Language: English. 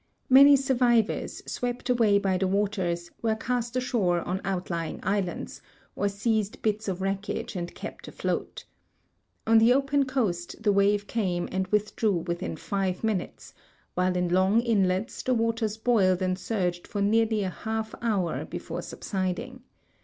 Many survivors, swept away by the waters, were cast ashore on out hung islands, or seized bits of wreckage and kept afloat. On the open coast the wave came and withdrew within five minutes, while in long inlets the waters boiled and surged for nearly a half hour before subsiding.